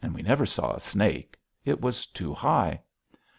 We never saw a snake. It was too high.